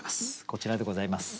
こちらでございます。